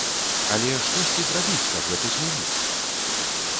Але штосьці зрабіць, каб гэта змяніць?